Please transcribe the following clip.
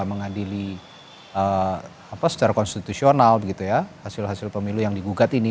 mengadili secara konstitusional hasil hasil pemilu yang digugat ini